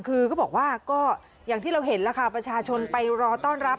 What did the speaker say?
คือก็บอกว่าก็อย่างที่เราเห็นแล้วค่ะประชาชนไปรอต้อนรับ